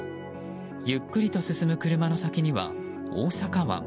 ゆっくりと進む車の先には大阪湾。